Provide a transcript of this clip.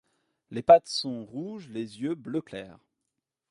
Les pattes sont rouges, les yeux bleu clair.